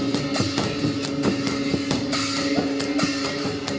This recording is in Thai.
สวัสดีสวัสดี